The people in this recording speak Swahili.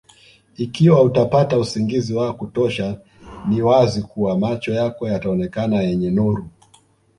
Ikiwa utapata usingizi wa kutosha ni wazi kuwa macho yako yataonekana yenye nuru